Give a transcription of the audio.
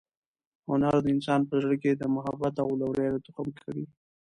هنر د انسان په زړه کې د محبت او لورینې تخم کري.